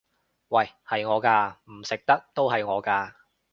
喂！係我㗎！唔食得都係我㗎！